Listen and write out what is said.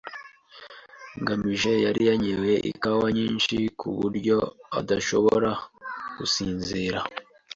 ngamije yari yanyoye ikawa nyinshi kuburyo adashobora gusinzira.